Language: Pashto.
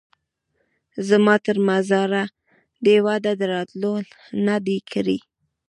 زما تر مزاره دي وعده د راتلو نه ده کړې